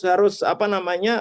harus apa namanya